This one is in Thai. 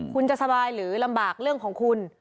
คุณจะสบายหรือลำบากเรื่องของคุณ